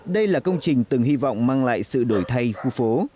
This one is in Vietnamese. đây là công trình từng hy vọng mang lại sự đổi thay khu phố